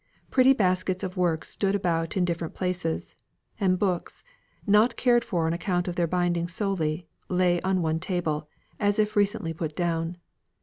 Pretty baskets of work stood about in different places: and books, not cared for on account of their binding solely, lay on one table, as if recently put down.